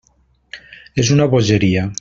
És una bogeria.